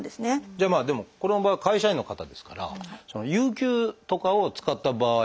じゃあまあでもこの場合は会社員の方ですから有給とかを使った場合というのはどうなるんですか？